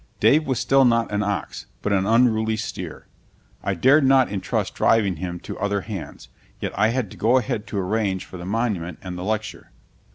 Dave was still not an ox, but an unruly steer. I dared not intrust driving him to other hands, yet I had to go ahead to arrange for the monument and the lecture.